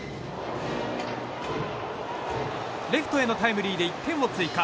レフトへのタイムリーで１点を追加。